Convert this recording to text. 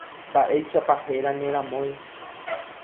Mba'éichapa héra ne ramói.